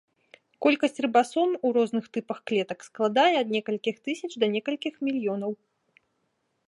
Колькасць рыбасом у розных тыпах клетак складае ад некалькіх тысяч да некалькіх мільёнаў.